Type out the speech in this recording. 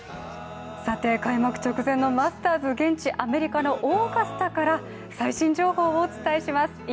開幕直前のマスターズ、現地アメリカのオーガスタから最新情報をお伝えします。